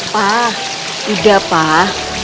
pak tidak pak